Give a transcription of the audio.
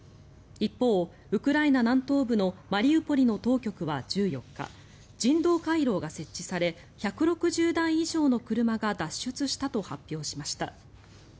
一方、ウクライナ南東部のマリウポリの当局は１４日人道回廊が設置され１６０台以上の車が脱出したと発表しました。